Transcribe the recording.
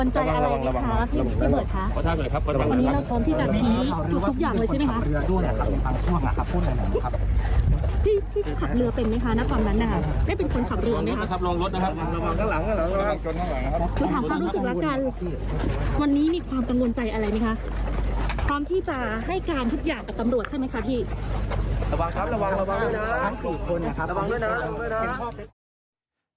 ทั้ง๔คนนะครับระวังด้วยนะ